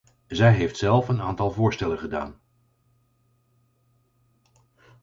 Zij heeft zelf een aantal voorstellen gedaan.